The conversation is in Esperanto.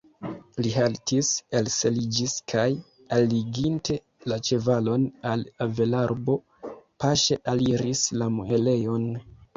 Li haltis, elseliĝis kaj, alliginte la ĉevalon al avelarbo, paŝe aliris la muelejon.